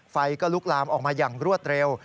ไฟก็ลุกลามออกมาอย่างรวดเร็ว